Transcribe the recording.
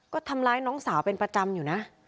ก็ทำร้ายน้องสาวเป็นประจำอยู่นะ